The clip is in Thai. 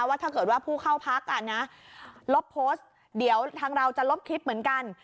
ว่าถ้าเกิดว่าผู้เข้าพักลบโพสต์เดี๋ยวทางเราจะลบคลิปเหมือนกัน